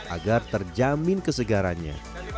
agar terjamin kesegarannya